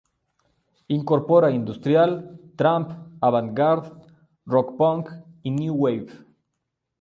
Incorpora industrial, tramp, avant-garde, rock punk y new wave.